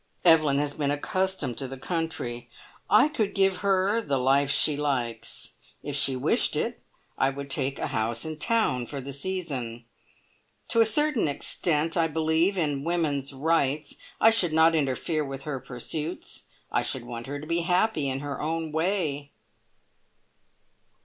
"Evelyn has been accustomed to the country. I could give her the life she likes. If she wished it I would take a house in town for the season. To a certain extent I believe in women's rights. I should not interfere with her pursuits. I should want her to be happy in her own way."